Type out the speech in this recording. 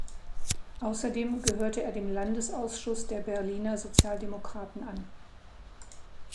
Außerdem gehörte er dem Landesausschuss der Berliner Sozialdemokraten an.